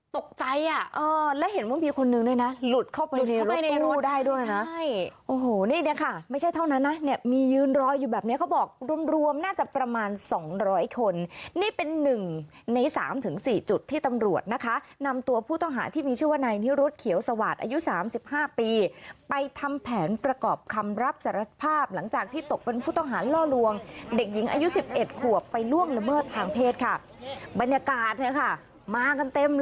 ตกใจอ่ะเออแล้วเห็นว่ามีคนนึงด้วยนะหลุดเข้าไปในรถกู้ได้ด้วยนะได้โอ้โหนี่เนี้ยค่ะไม่ใช่เท่านั้นนะเนี้ยมียืนรออยู่แบบเนี้ยเขาบอกรวมน่าจะประมาณสองร้อยคนนี่เป็นหนึ่งในสามถึงสี่จุดที่ตำรวจนะคะนำตัวผู้ต้องหาที่มีชื่อวนายในรถเขียวสวาสตร์อายุสามสิบห้าปีไปทำแ